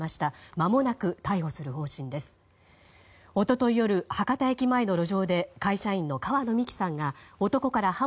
まもなく逮捕する方針です。